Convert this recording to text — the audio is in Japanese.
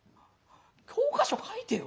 教科書書いてよ」。